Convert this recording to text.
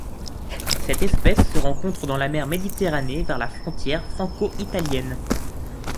Cette espèce se rencontre dans la mer Méditerranée vers la frontière franco-italienne.